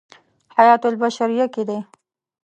حیاة البشریة کې دی.